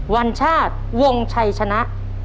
วันชาติวงชัยชนะ